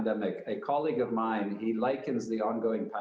perubahan di jaringan penguasa dan sebagainya